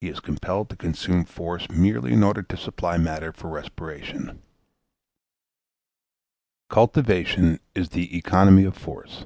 He is compelled to consume force merely in order to supply matter for respiration. Cultivation is the economy of force.